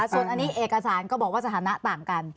ส่วนอันนี้เอกสารก็บอกว่าสถานะต่างกัน